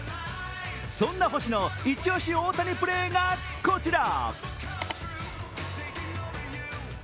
そんな星の、一押し大谷プレーがこちら。